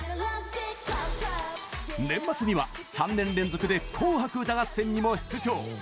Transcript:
年末には３年連続で「紅白歌合戦」にも出場。